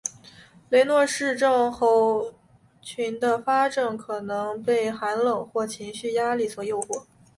雷诺氏症候群的发作可能被寒冷或是情绪压力所诱发。